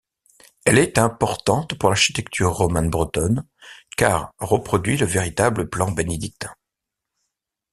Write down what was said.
Elle est importante pour l'architecture romane bretonne car reproduit le véritable plan bénédictin.